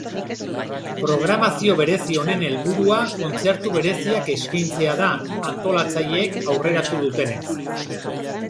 Programazio berezi honen helburua kontzertu bereziak eskeintzea da, antolatzaileek aurreratu dutenez.